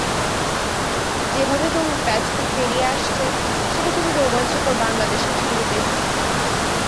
যেভাবে তরুণ ব্যাটসম্যান বেরিয়ে আসছে, সেটা খুবই রোমাঞ্চকর বাংলাদেশের ক্রিকেটের জন্য।